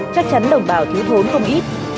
chắc chắn đồng bào thiếu thốn không ít